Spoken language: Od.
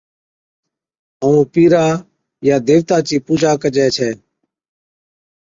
ائُون او پِيرا يا ديوتا چِي پُوڄا ڪَجِي ڇَي